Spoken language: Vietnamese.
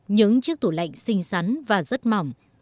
những chiếc tủ lạnh xinh xắn và rất mỏng